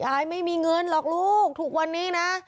อายไม่มีเงินหรอกลูกทุกวันนี้นะ